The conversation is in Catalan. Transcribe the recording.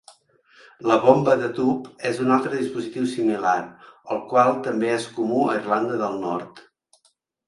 La bomba de tub és un altre dispositiu similar, el qual també és comú a Irlanda del Nord.